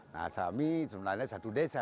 nah kami sebenarnya satu desa ya